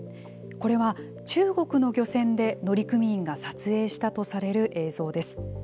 これは、中国の漁船で乗組員が撮影したとされる映像です。